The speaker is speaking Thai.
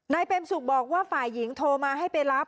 เปรมสุขบอกว่าฝ่ายหญิงโทรมาให้ไปรับ